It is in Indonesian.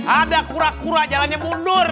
ada kura kura jalannya mundur